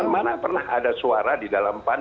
mana pernah ada suara di dalam pan